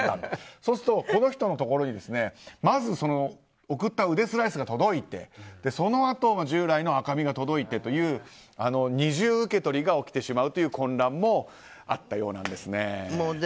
そうすると、この人のところにまず送ったウデスライスが届いてそのあと従来の赤身が届いてという二重受け取りが起きてしまうという混乱もあったようなんです。